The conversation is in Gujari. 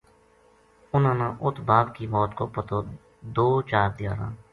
اُنھاں نا اُت باپ کی موت کو پتو دو چار دھیاڑاں